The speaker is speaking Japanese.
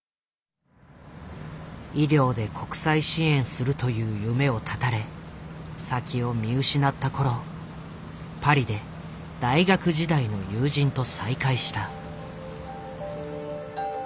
医療で国際支援するという夢を絶たれ先を見失った頃パリで大学時代の友人と再会した。